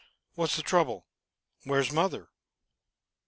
What's the trouble? Where's mother?